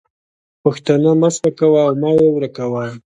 پښتانه مه سپکوه او مه یې ورکوه.